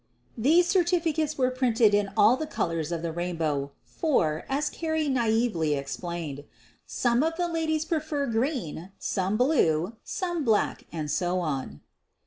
These certificates were printed in all the colors of the rainbow, for, as Car rie naively explained, "some of the ladies prefer green, some blue, some black, and so on."